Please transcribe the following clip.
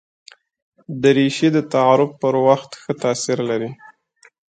دریشي د تعارف پر وخت ښه تاثیر لري.